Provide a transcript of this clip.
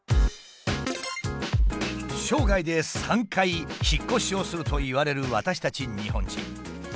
生涯で３回引っ越しをするといわれる私たち日本人。